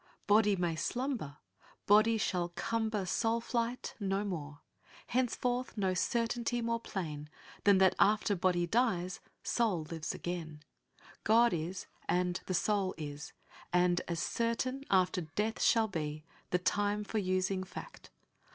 Body may slumber; Body shall cumber Soul — flij^ht no more.'* bg IRobert Browning* 19 ''Henceforth, no certainty more plain Than that after body dies, soul lives again. ,.. God is, and the soul is, and, as certain after death shall be The time for using fact